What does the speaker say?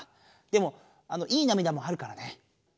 でもいいなみだもあるからね。